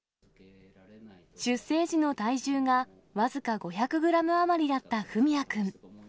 出生時の体重が僅か５００グラム余りだった文也君。